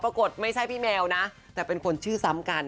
ปรากฏไม่ใช่พี่แมวนะแต่เป็นคนชื่อซ้ำกัน